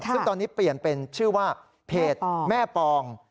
ซึ่งตอนนี้เปลี่ยนเป็นชื่อว่าเพจแม่ปอง